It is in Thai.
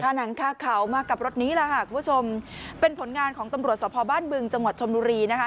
หนังคาเขามากับรถนี้แหละค่ะคุณผู้ชมเป็นผลงานของตำรวจสภบ้านบึงจังหวัดชนบุรีนะคะ